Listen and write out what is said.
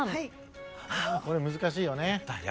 ・これ難しいよね。